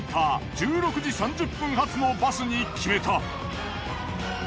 １６時３０分発のバスに決めた。